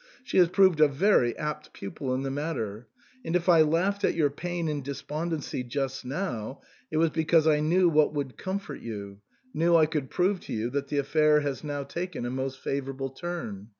She has proved a very apt pupil in the matter ; and if I laughed at your pain and despondency just now it was because I knew what would comfort you, knew I could prove to you that the affair has now taken a most fa vourable turn.